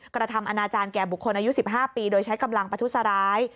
กระทำอนาจารย์แก่บุคคลอายุ๑๕ปีโดยใช้กำลังประทุษร้าย